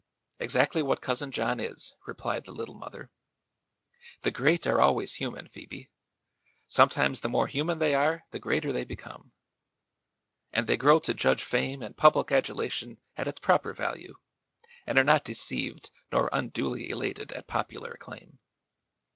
"Exactly what Cousin John is," replied the Little Mother. "The great are always human, Phoebe; sometimes the more human they are the greater they become. And they grow to judge fame and public adulation at its proper value and are not deceived nor unduly elated at popular acclaim.